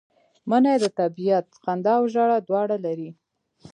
منی د طبیعت خندا او ژړا دواړه لري